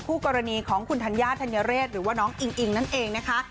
คู่กรณีของคุณธัญญาธัญเรศหรือว่าน้องอิงอิงนั่นเองนะคะ